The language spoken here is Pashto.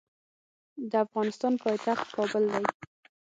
د افغانستان پایتخت کابل دی.